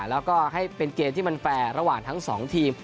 แล้วก็ให้เป็นเกมที่มันแฟร์ระหว่างทั้งสองทีม